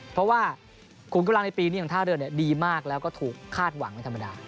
เพราะว่าขุมกำลังในปีนี้ของท่าเรือดีมากแล้วก็ถูกคาดหวังไม่ธรรมดา